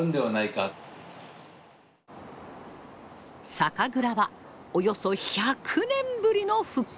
酒蔵はおよそ１００年ぶりの復活。